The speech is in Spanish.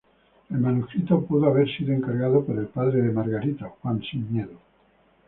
El manuscrito pudo haber sido encargado por el padre de Margarita, Juan Sin Miedo.